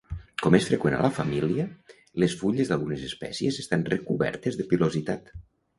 Com és freqüent a la família, les fulles d'algunes espècies estan recobertes de pilositat.